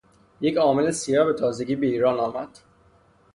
یک عامل سیا به تازگی به ایران آمد.